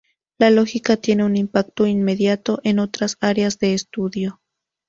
La lógica tiene un impacto inmediato en otras áreas de estudio.